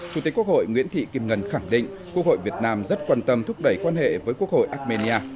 chủ tịch quốc hội nguyễn thị kim ngân khẳng định quốc hội việt nam rất quan tâm thúc đẩy quan hệ với quốc hội armenia